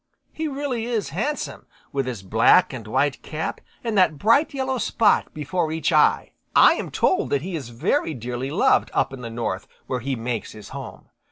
He really is handsome with his black and white cap and that bright yellow spot before each eye. I am told that he is very dearly loved up in the north where he makes his home.